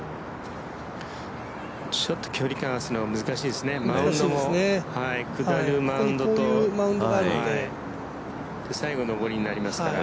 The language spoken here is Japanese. ちょっと距離感難しいですね、下りのマウンドと最後上りになりますから。